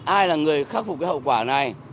ai là người khắc phục cái hậu quả này